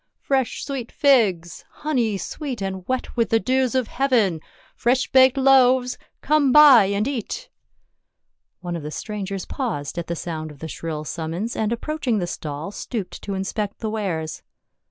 Fresh sweet figs !— honey sweet and wet with the dews of heaven ! Fresh baked loaves ! Come buy and eat !" One of the strangers paused at the sound of the shrill summons, and approaching the stall stooped to inspect the wares.